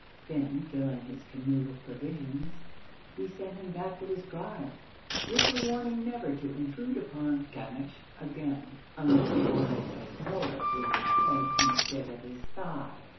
Then filling his canoe with provisions, he sent him back to his tribe, with a warning never to intrude upon Gamache again unless he wanted a bullet through his head instead of his thigh.